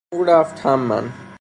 هم او رفت و هم من